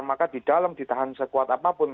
maka di dalam ditahan sekuat apapun